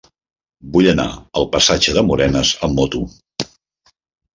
Vull anar al passatge de Morenes amb moto.